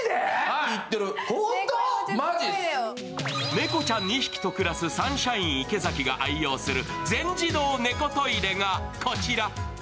猫ちゃん２匹と暮らすサンシャイン池崎が愛用する全自動猫トイレがこちら。